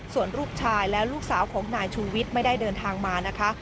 ส่วนลูกชายและลูกสาวของนายชูวิทย์ไม่ได้เดินทางมานะคะ